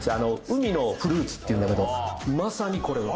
「海のフルーツ」っていうんだけどまさにこれは。